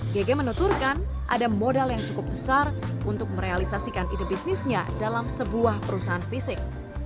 gg menuturkan ada modal yang cukup besar untuk merealisasikan ide bisnisnya dalam sebuah perusahaan fisik